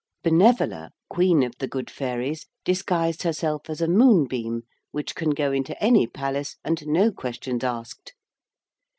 Benevola, Queen of the Good Fairies, disguised herself as a moonbeam, which can go into any palace and no questions asked.